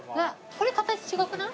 これ形違くない？